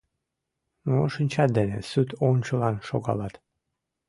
Мо шинчат дене суд ончылан шогалат.